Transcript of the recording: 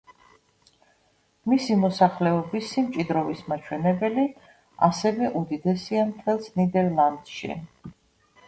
მისი მოსახლეობის სიმჭიდროვის მაჩვენებელი ასევე უდიდესია მთელს ნიდერლანდში.